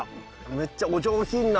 めっちゃお上品な。